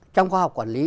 trong khoa học quản lý